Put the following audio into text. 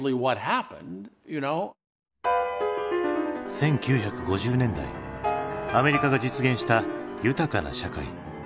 １９５０年代アメリカが実現した豊かな社会。